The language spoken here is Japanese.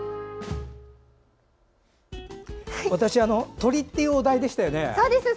鳥っていうお題でしたよね。